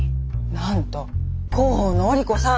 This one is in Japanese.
なんと広報の織子さん。